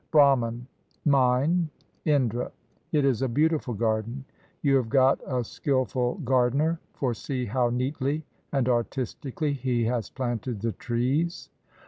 Brahman. — Mine. Indra. — It is a beautiful garden. You have got a skillful gardener, for see how neatly and artistically he has planted the trees!